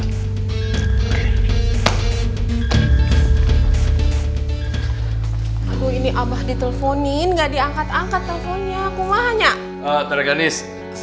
mau teh manis